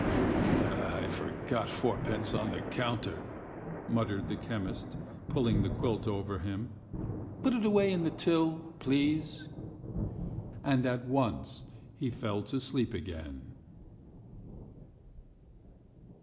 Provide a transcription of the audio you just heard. ..." "I forgot fourpence on the counter," muttered the chemist, pulling the quilt over him. "Put it away in the till, please. ..." And at once he fell asleep again.